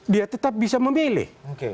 dia tetap bisa memilih